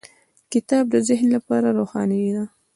• کتاب د ذهن لپاره روښنایي ده.